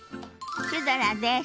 シュドラです。